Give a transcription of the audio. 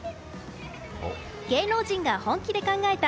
「芸能人が本気で考えた！